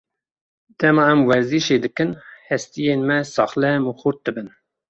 Dema em werzîşê dikin, hestiyên me saxlem û xurt dibin.